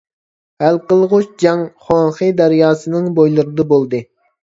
ھەل قىلغۇچ جەڭ خۇاڭخې دەرياسىنىڭ بويلىرىدا بولدى.